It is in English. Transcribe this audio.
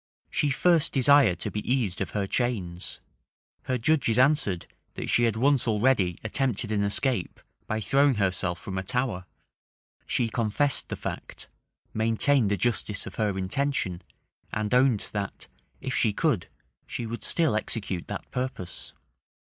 She first desired to be eased of her chains: her judges answered, that she had once already attempted an escape by throwing herself from a tower: she confessed the fact, maintained the justice of her intention, and owned that, if she could, she would still execute that purpose.